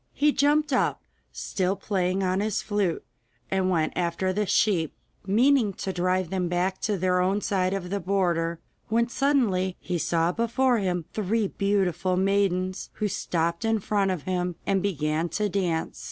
He jumped up, still playing on his flute, and went after the sheep, meaning to drive them back to their own side of the border, when suddenly he saw before him three beautiful maidens who stopped in front of him, and began to dance.